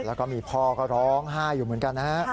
แล้วก็มีพ่อก็ร้องไห้อยู่เหมือนกันนะฮะ